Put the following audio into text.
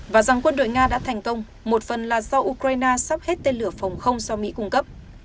và rằng quân đội nga đã thành công một phần là do ukraine sắp hết tên lửa phòng không do mỹ cung cấp